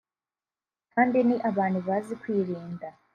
kandi ni abantu bazi kwirinda